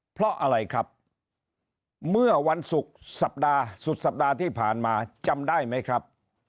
เพราะอะไรครับเมื่อวันศุกร์สัปดาห์สุดสัปดาห์ที่ผ่านมาจำได้ไหมครับ